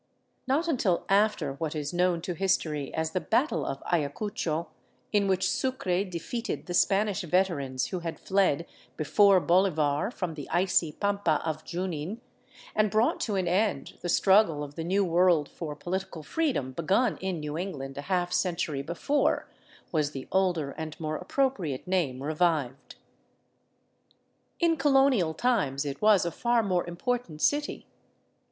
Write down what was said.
Not until after what is known to history as the Battle of Ayacucho, in which Sucre defeated the Spanish veterans who had fled before Bolivar from the icy pampa of Junin, and brought to an end the struggle of tke new world for political freedom begun in New Eng land a half century before, was the older and more appropriate name revived. In colonial times it was a far more important city.